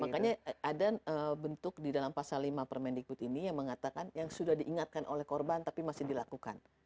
makanya ada bentuk di dalam pasal lima permendikbud ini yang mengatakan yang sudah diingatkan oleh korban tapi masih dilakukan